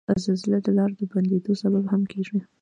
زلزله د لارو د بندیدو سبب هم کیږي.